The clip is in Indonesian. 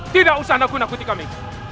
tidak usah nak guna kutip kami